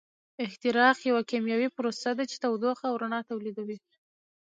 احتراق یوه کیمیاوي پروسه ده چې تودوخه او رڼا تولیدوي.